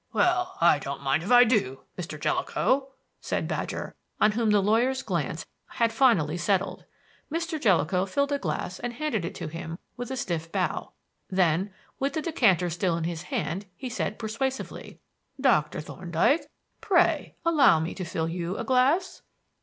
"Well, I don't mind if I do, Mr. Jellicoe," said Badger, on whom the lawyer's glance had finally settled. Mr. Jellicoe filled a glass and handed it to him with a stiff bow; then, with the decanter still in his hand, he said persuasively: "Doctor Thorndyke, pray allow me to fill you a glass?"